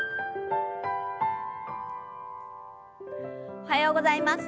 おはようございます。